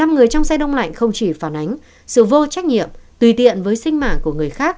năm người trong xe đông lạnh không chỉ phản ánh sự vô trách nhiệm tùy tiện với sinh mạng của người khác